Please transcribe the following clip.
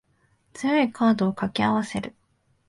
強いカードを掛け合わせる